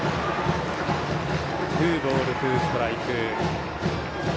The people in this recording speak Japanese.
ツーボール、ツーストライク。